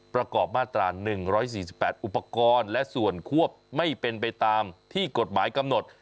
ประกอบมาตรา๑๔๘อุปกรณ์และส่วนควบไม่เป็นไปตามที่กฎหมายกำหนด